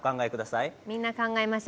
みんな考えました。